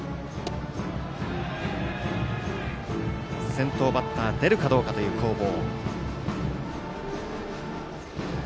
先頭バッター出るかどうかという攻防。